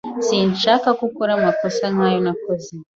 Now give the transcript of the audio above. Sinshaka ko ukora amakosa nkayo nakoze.